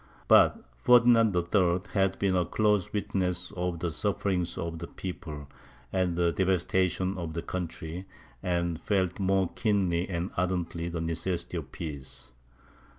But Ferdinand III. had been a closer witness of the sufferings of the people, and the devastation of the country, and felt more keenly and ardently the necessity of peace.